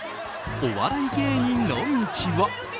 お笑い芸人の道は。